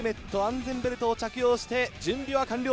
安全ベルト着用して準備は完了。